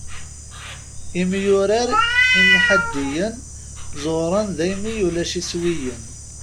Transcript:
Imyurar imḥaddiyen ẓewren daymi i ulac iswiyen.